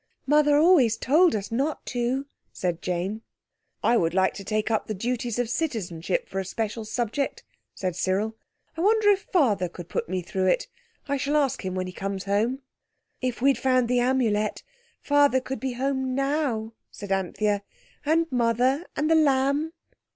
"Mother always told us not to," said Jane. "I would like to take up the Duties of Citizenship for a special subject," said Cyril. "I wonder if Father could put me through it. I shall ask him when he comes home." "If we'd found the Amulet, Father could be home now," said Anthea, "and Mother and The Lamb."